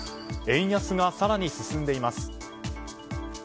円安が更に進んでいます。